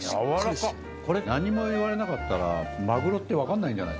これ何も言われなかったらマグロって分かんないんじゃ。